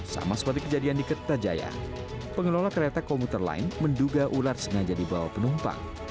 sama seperti kejadian di kertajaya pengelola kereta komuter lain menduga ular sengaja dibawa penumpang